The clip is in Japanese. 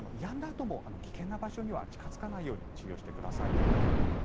あとも危険な場所には近付かないように注意をしてください。